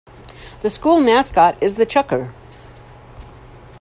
The school mascot is the Chukar.